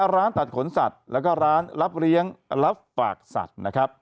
ร้านตัดขนสัตว์แล้วก็ร้านรับเลี้ยงรับฝากสัตว์นะครับ